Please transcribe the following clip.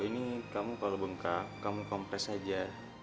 ini kamu kalau bengkak kamu kompleks aja